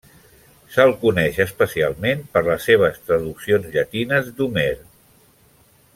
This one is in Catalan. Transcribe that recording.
Se'l coneix especialment per les seves traduccions llatines d'Homer.